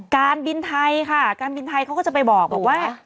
การบินไทยค่ะการบินไทยเขาก็จะไปบอกว่า